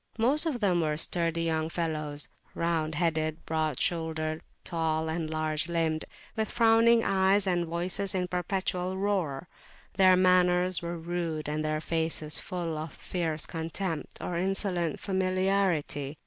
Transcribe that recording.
Most of them were sturdy young fellows, round headed, broad shouldered, tall and large limbed, with frowning eyes, and voices in a perpetual roar. Their manners were rude, and their faces full of fierce contempt or insolent familiarity.